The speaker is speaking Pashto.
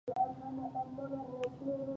لوی احمدشاه بابا د خلکو ترمنځ یووالی راوست.